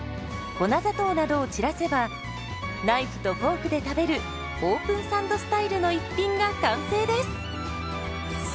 ナイフとフォークで食べるオープンサンドスタイルの一品が完成です。